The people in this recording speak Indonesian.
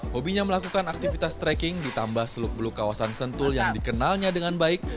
hobinya melakukan aktivitas trekking ditambah seluk beluk kawasan sentul yang dikenalnya dengan baik